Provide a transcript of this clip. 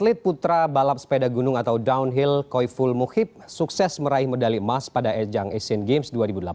atlet putra balap sepeda gunung atau downhill koiful mukhib sukses meraih medali emas pada ejang asian games dua ribu delapan belas